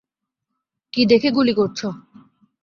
কী দেখে গুলি করছো?